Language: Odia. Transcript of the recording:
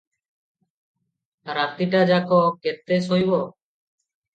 ରାତିଟାଯାକ କେତେ ଶୋଇବ?